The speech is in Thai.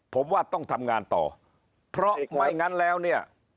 ผมว่าต้องทำงานต่อเพราะไม่งั้นแล้วเนี่ย